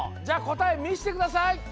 じゃあ答えみしてください。